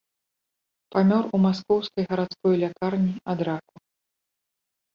Памёр у маскоўскай гарадской лякарні ад раку.